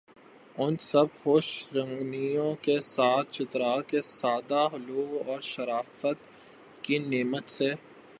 ان سب خوش رنگینیوں کے ساتھ چترال کے سادہ لوح اور شرافت کی نعمت سے